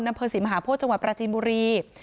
อำเภอศรีมหาโพธิจังหวัดปราจีนบุรี